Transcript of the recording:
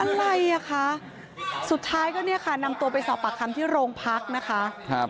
อะไรอ่ะคะสุดท้ายก็นี่ค่ะนั่งตัวไปสอบปากคำที่โรงพักษณ์นะคะ